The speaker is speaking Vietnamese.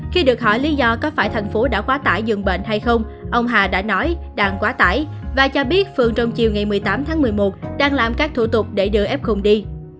khi được hỏi lý do có phải thành phố đã quá tải dường bệnh hay không ông hà đã nói đang quá tải và cho biết phường trong chiều ngày một mươi tám tháng một mươi một đang làm các thủ tục để đưa f đi